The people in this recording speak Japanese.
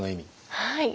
はい。